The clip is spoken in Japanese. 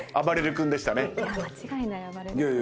いや間違いないあばれる君。